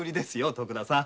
徳田さん。